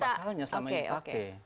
ada banyak pasalnya selama ini dipakai